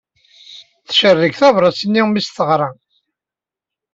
Tcerreg tabrat-nni mi tt-teɣra.